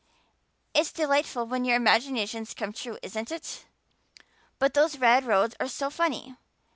It's delightful when your imaginations come true, isn't it? But those red roads are so funny.